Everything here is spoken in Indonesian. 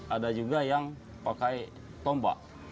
ada juga yang pakai tombak